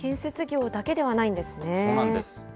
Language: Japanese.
そうなんです。